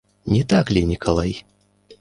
Не так ли, Николай?